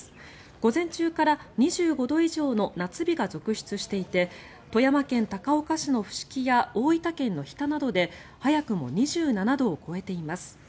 午前中から２５度以上の夏日が続出していて富山県高岡市の伏木や大分県の日田などで早くも２７度を超えています。